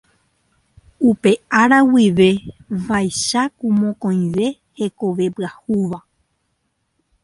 Upe ára guive ave vaicháku mokõive hekove pyahúva.